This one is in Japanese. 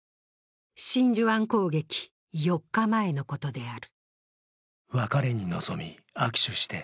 真珠湾攻撃４日前のことである。